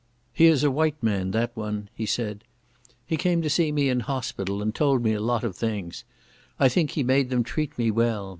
"He is a white man, that one," he said. "He came to see me in hospital and told me a lot of things. I think he made them treat me well.